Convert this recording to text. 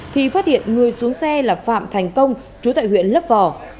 thì phát hiện người xuống xe là phạm thành công chú tại huyện lấp vò